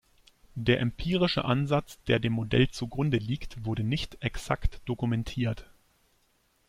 Der empirische Ansatz, der dem Modell zugrunde liegt wurde nicht exakt dokumentiert.